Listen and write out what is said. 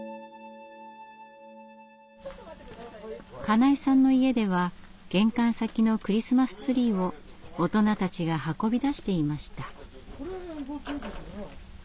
金井さんの家では玄関先のクリスマスツリーを大人たちが運び出していました。